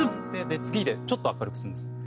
次でちょっと明るくするんです。